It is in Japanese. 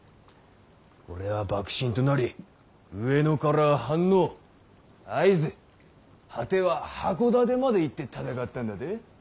俺は幕臣となり上野から飯能会津果ては箱館まで行って戦ったんだで。